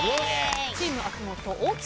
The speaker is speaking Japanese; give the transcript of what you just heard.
チーム秋元大木さん。